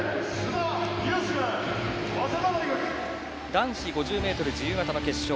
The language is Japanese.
男子５０ｍ自由形の決勝。